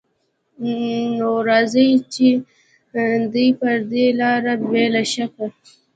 نو راځي دې پر دې لاره بې له شکه